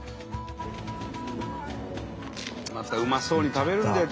またうまそうに食べるんだよ